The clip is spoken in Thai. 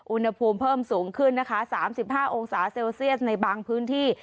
อุณหภูมิเพิ่มสูงขึ้นนะคะ๓๕องศาเซลเซียสในบางพื้นที่